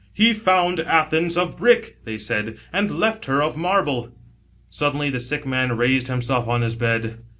" He found Athens of brick," they said, " and left her of marble." Suddenly the sick man raised himself on his bed.